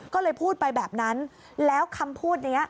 ก็เลยพูดไปแบบนั้นแล้วคำพูดนี้